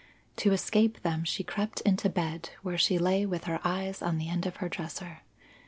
To escape them she crept into bed where she lay with her eyes on the end of her dresser.